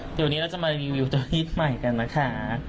เดี๋ยวนี้เราจะมารีวิวเตารีดใหม่กันนะคะ